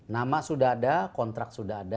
nama sudah ada kontrak sudah ada